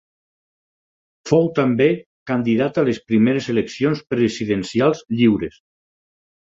Fou també candidat a les primeres eleccions presidencials lliures.